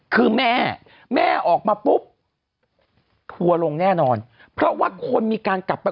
คือแม่แม่ออกมาปุ๊บทัวร์ลงแน่นอนเพราะว่าคนมีการกลับไป